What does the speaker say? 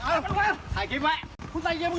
ลงมาก่อนคุยกันดีนี่